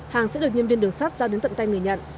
hàng sẽ được nhân viên đường sắt giao đến tận tay người nhận